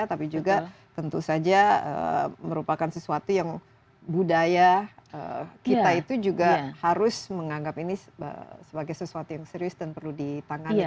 tapi juga tentu saja merupakan sesuatu yang budaya kita itu juga harus menganggap ini sebagai sesuatu yang serius dan perlu ditangani